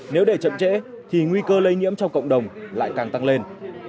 nếu để chậm trễ thì nguy cơ lây nhiễm trong cộng đồng lại càng tăng lên